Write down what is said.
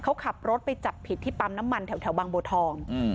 เขาขับรถไปจับผิดที่ปั๊มน้ำมันแถวบางบัวทอง